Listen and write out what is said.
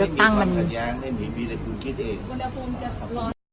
คือคือคือคือ